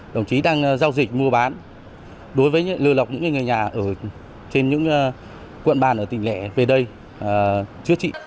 đồng chí đang giao dịch mua bán đối với lừa lọc những người nhà trên những quận bàn ở tỉnh lẹ về đây chứa trị